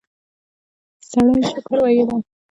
سړی شکر ویلی.